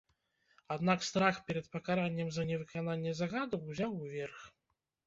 Аднак страх перад пакараннем за невыкананне загаду ўзяў верх.